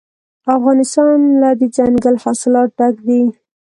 افغانستان له دځنګل حاصلات ډک دی.